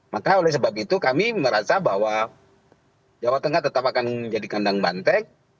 maka oleh sebab itu kami merasa bahwa jawa tengah tetap akan menjadi kandang banteng